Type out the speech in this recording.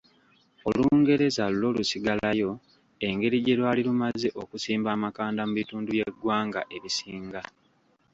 Olungereza lwo lwasigalayo engeri gye lwali lumaze okusimba amakanda mu bitundu by’eggwanga ebisinga.